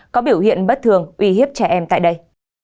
có biểu hiện bất thường uy hiếp trẻ em tại đây